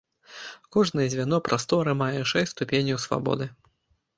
Кожнае звяно прасторы мае шэсць ступеняў свабоды.